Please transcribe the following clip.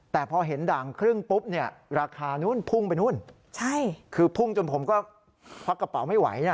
แต่พอเห็นด่างครึ่งปุ๊บเนี่ยราคานู้นพุ่งไปนู่นใช่คือพุ่งจนผมก็ควักกระเป๋าไม่ไหวนะ